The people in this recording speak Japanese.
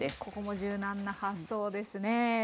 ここも柔軟な発想ですねえ。